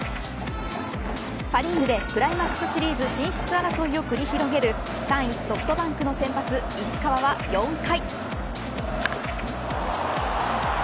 パ・リーグでクライマックスシリーズ進出争いを繰り広げる３位ソフトバンクの先発石川は４回。